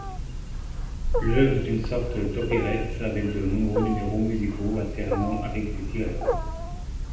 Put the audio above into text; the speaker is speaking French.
L'œuvre est une sorte d'opérette, avec de nombreux numéros musicaux alternant avec des dialogues.